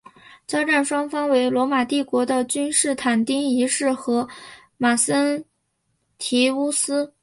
交战双方为罗马帝国的君士坦丁一世和马克森提乌斯。